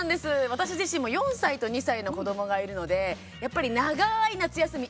私自身も４歳と２歳の子どもがいるのでやっぱり長い夏休み